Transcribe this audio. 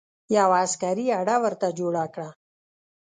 یوه عسکري اډه ورته جوړه کړه.